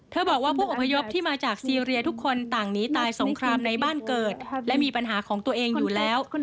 บอกว่าผู้อพยพที่มาจากซีเรียทุกคนต่างหนีตายสงครามในบ้านเกิดและมีปัญหาของตัวเองอยู่แล้ว